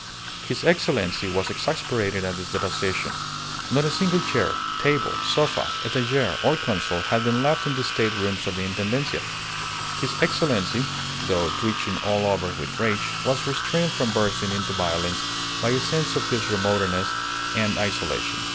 His Excellency was exasperated at the devastation. Not a single chair, table, sofa, etagere or console had been left in the state rooms of the Intendencia. His Excellency, though twitching all over with rage, was restrained from bursting into violence by a sense of his remoteness and isolation.